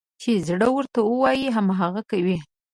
چې زړه ورته وايي، هماغه کوي.